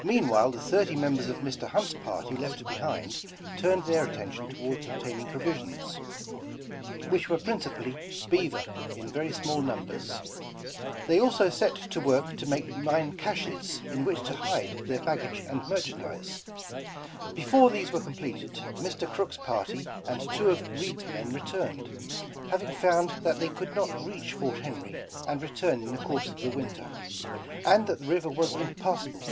Meanwhile the thirty members of Mr. Hunt's party left behind, turned their attention toward obtaining provisions, which were principally beaver in very small numbers. They also set to work to make nine caches, in which to hide their baggage and merchandise. Be fore these were completed, Mr. Crooks' party and two of Reed's men returned, having found that they could not reach Fort Henry and return in the course of the winter, and that the river was impassable.